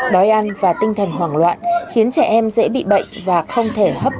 đói ăn và tinh thần hoảng loạn khiến trẻ em dễ bị bệnh và không thể hấp dẫn